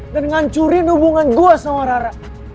ngancurin hubungan gue sama rara